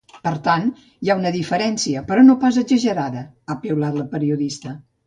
Per tant, hi ha una diferència, però no pas exagerada, ha piulat la periodista.